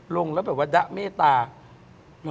ลงแล้วแบบว่าดะเมตตา